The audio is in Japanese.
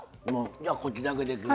じゃあこっちだけで。